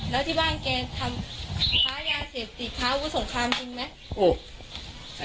แล้วที่บ้านเกลียดทำภาพยาเสพภาพรุษภามจริงรึเปล่า